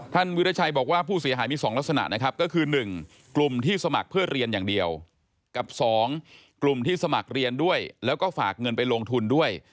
วิราชัยบอกว่าผู้เสียหายมี๒ลักษณะนะครับก็คือ๑กลุ่มที่สมัครเพื่อเรียนอย่างเดียวกับ๒กลุ่มที่สมัครเรียนด้วยแล้วก็ฝากเงินไปลงทุนด้วย